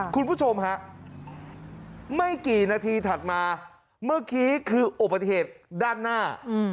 คุณผู้ชมฮะไม่กี่นาทีถัดมาเมื่อกี้คืออุบัติเหตุด้านหน้า